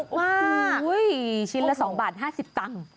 ว้ายชิ้นละ๒บาท๕๐ตังค์